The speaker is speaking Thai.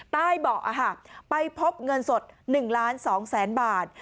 ใต้เบาะไปพบเงินสด๑๒๐๐๐๐๐บาท